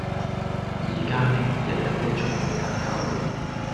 依家呢，日日都仲用緊佢！